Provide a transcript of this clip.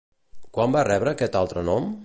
Quan va rebre aquest altre nom?